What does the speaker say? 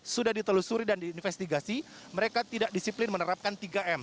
sudah ditelusuri dan diinvestigasi mereka tidak disiplin menerapkan tiga m